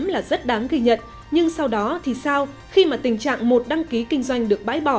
là rất đáng ghi nhận nhưng sau đó thì sao khi mà tình trạng một đăng ký kinh doanh được bãi bỏ